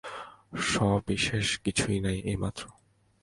সবিশেষ কিছুই নাই, এই মাত্র।